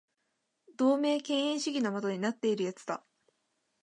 同盟敬遠主義の的になっている奴だ